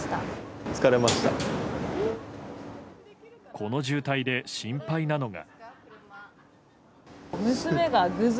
この渋滞で心配なのが。